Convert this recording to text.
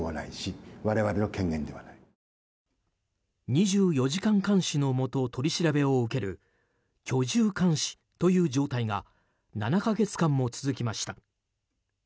２４時間監視のもと取り調べを受ける居住監視という状態が７か月間も続きました。